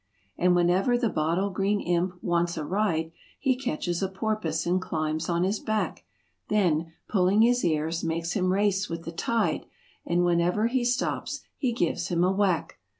And whenever the Bottle Green Imp wants a ride, He catches a porpoise and climbs on his back; Then, pulling his ears, makes him race with the tide, And whenever he stops he gives him a whack.